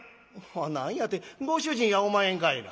「何やてご主人やおまへんかいな」。